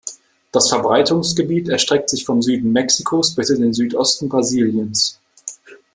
Das Verbreitungsgebiet erstreckt sich vom Süden Mexikos bis in den Südosten Brasiliens.